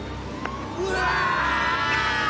うわ！